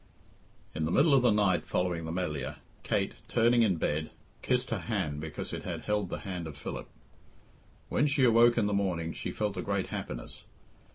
V. In the middle of the night following the Melliah, Kate, turning in bed, kissed her hand because it had held the hand of Philip. When she awoke in the morning she felt a great happiness.